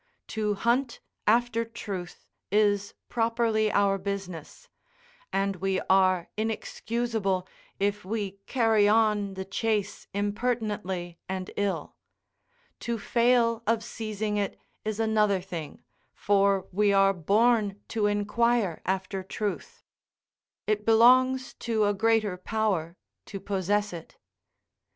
To hunt after truth is properly our business, and we are inexcusable if we carry on the chase impertinently and ill; to fail of seizing it is another thing, for we are born to inquire after truth: it belongs to a greater power to possess it.